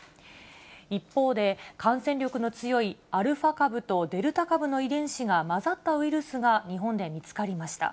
一方で、感染力の強いアルファ株とデルタ株の遺伝子が混ざったウイルスが日本で見つかりました。